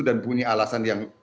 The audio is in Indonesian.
dan punya alasan yang